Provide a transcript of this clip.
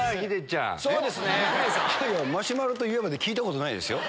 「マシュマロといえば」で聞いたことないですよ。